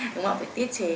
đúng không phải tiết chế